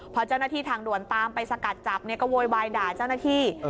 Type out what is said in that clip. พอเจ้าหน้าที่ทางด่วนตามไปสกัดจับเนี่ยก็โวยวายด่าเจ้าหน้าที่